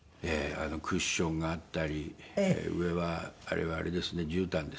クッションがあったり上はあれはあれですねじゅうたんですね。